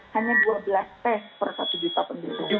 hanya dua belas tes per satu juta penduduk